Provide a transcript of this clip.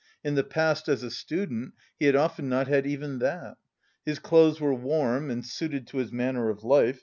In the past as a student he had often not had even that. His clothes were warm and suited to his manner of life.